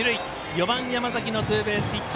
４番山崎のツーベースヒット。